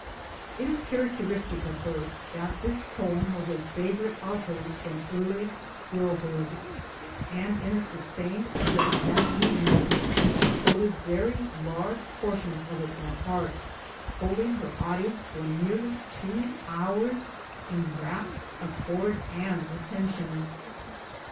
It is characteristic of her that this poem was a favorite of hers from earliest girl hood ; and in a sustained address that evening she quoted very large portions of it by heart, holding her audience for nearly two hours in rapt accord and attention.